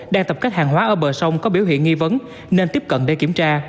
đang tập kết hàng hóa ở bờ sông có biểu hiện nghi vấn nên tiếp cận để kiểm tra